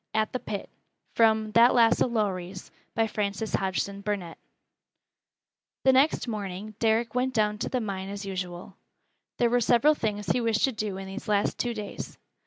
AT THE PIT From 'That Lass o' Lowrie's' The next morning Derrick went down to the mine as usual. There were several things he wished to do in these last two days.